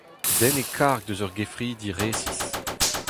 Den e karg eus ur gefridi resis.